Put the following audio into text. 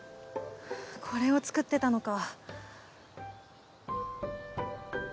これを作ってたのか。